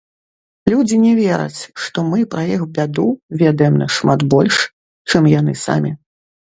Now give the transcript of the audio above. Людзі не вераць, што мы пра іх бяду ведаем нашмат больш, чым яны самі.